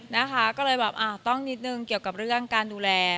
นะคะก็เลยแบบต้องนิดนึงเกี่ยวกับเรื่องการดูแล